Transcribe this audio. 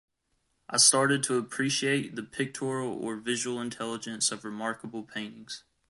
I started to appreciate the pictorial or visual intelligence of remarkable paintings.